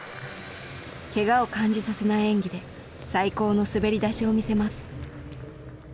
ケガを感じさせない演技で最高の滑り出しを見せます。